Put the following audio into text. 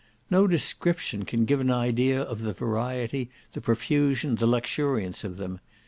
No description can give an idea of the variety, the profusion, the luxuriance of them.